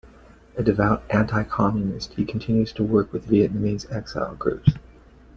A devout Anti-Communist, he continues to work with Vietnamese exile groups.